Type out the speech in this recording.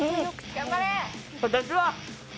頑張れ。